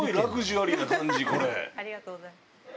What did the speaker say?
ありがとうございます。